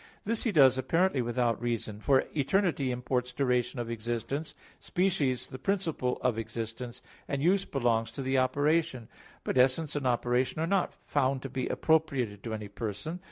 This he does apparently without reason. For "eternity" imports duration of existence; species, the principle of existence; and 'use' belongs to the operation. But essence and operation are not found to be appropriated to any person.